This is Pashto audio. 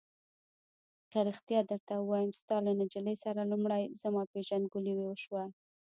که رښتیا درته ووایم، ستا له نجلۍ سره لومړی زما پېژندګلوي وشوه.